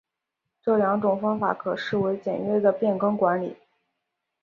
这两种方法可视为简约的变更管理。